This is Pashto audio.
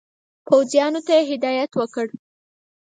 پوځیانو ته یې هدایت ورکړ.